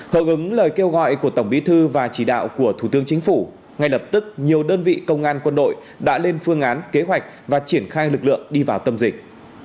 hợp ứng lời kêu gọi của tổng bí thư và chỉ đạo của thủ tướng chính phủ ngay lập tức nhiều đơn vị công an quân đội đã lên phương án kế hoạch và triển khai lực lượng đi vào tâm dịch